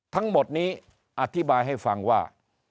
ทั้งหมดนี้อธิบายให้ฟังว่า